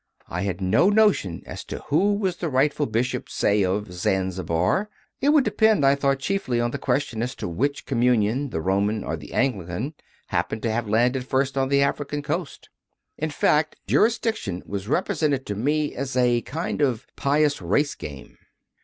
I had no notion as to who was the rightful Bishop, say, of Zanzibar; it would depend, CONFESSIONS OF A CONVERT 97 I thought, chiefly on the question as to which Com munion, the Roman or the Anglican, happened to have landed first on the African coast! In fact, Jurisdiction was represented to me as a kind of pious race game.